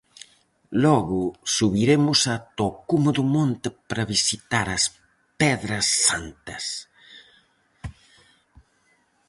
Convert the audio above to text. Logo subiremos ata o cume do monte para visitar as pedras santas.